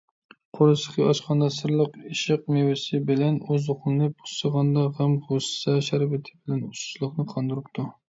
قورسىقى ئاچقاندا «سىرلىق ئىشق مېۋىسى» بىلەن ئوزۇقلىنىپ، ئۇسسىغاندا «غەم - غۇسسە شەربىتى» بىلەن ئۇسسۇزلۇقىنى قاندۇرۇپتۇ.